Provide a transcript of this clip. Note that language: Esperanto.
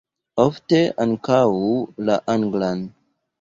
Ofte ankaŭ la anglan.